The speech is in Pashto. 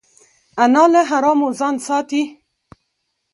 انا له حرامو ځان ساتي